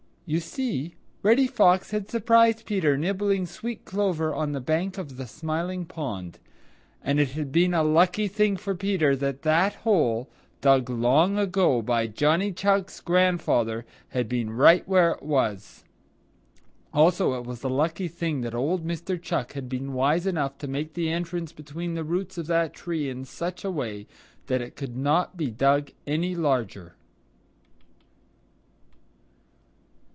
You see, Reddy Fox had surprised Peter nibbling sweet clover on the bank of the Smiling Pond, and it had been a lucky thing for Peter that that hole, dug long ago by Johnny Chuck's grandfather, had been right where it was. Also, it was a lucky thing that old Mr. Chuck had been wise enough to make the entrance between the roots of that tree in such a way that it could not be dug any larger.